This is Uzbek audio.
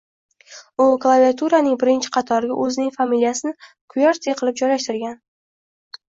U klaviaturaning birinchi qatoriga o’zining familiyasini qwerty qilib joylashtirgan